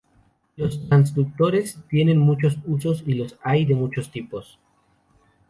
Los transductores tienen muchos usos y los hay de muchos tipos.